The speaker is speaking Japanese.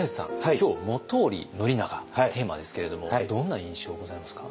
今日「本居宣長」テーマですけれどもどんな印象ございますか？